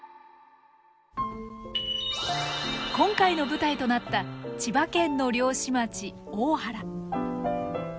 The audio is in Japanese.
今回の舞台となった千葉県の漁師町大原。